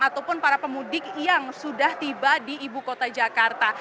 ataupun para pemudik yang sudah tiba di ibu kota jakarta